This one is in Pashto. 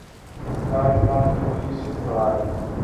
دغه جومات زموږ د کلي د سیند پر غاړه دی.